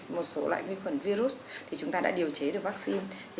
một số loại vi khuẩn virus thì chúng ta đã điều chế được vaccine